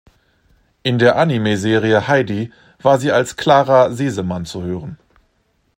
In der Anime-Serie "Heidi" war sie als "Klara Sesemann" zu hören.